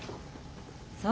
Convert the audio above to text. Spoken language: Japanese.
そう。